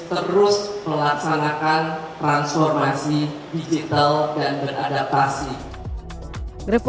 terus melaksanakan transformasi digital dan beradaptasi